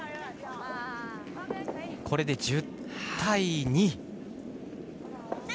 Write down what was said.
これで１０−２。